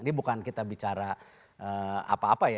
ini bukan kita bicara apa apa ya